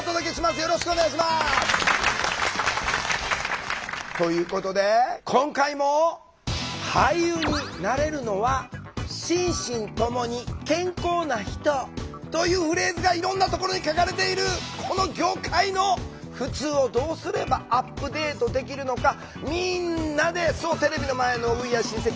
よろしくお願いします！ということで今回も「俳優になれるのは心身ともに健康な人」というフレーズがいろんなところに書かれているこの業界のふつうをどうすればアップデートできるのかみんなでそうテレビの前のＷｅａｒｅシンセキ！